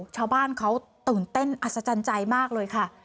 ชาวบ้านเขาตื่นเต้นอัศจรรย์ใจมากเลยค่ะ